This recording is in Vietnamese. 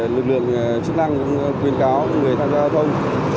lực lượng thức năng cũng khuyên cáo người tham gia giao thông